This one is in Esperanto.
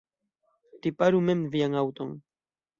Riparu mem vian aŭton.